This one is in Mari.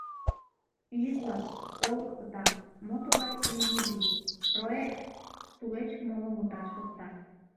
Йӱк-влак: «Олык пыта», «Мо тугай имне вий?», «Прое-ект!», тулеч моло мутат шокта.